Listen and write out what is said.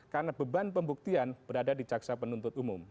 karena beban pembuktian berada di caksa penuntut umum